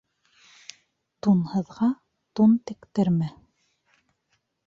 Тунһыҙға тун тектермә.